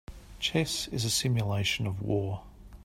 Chess is a simulation of war.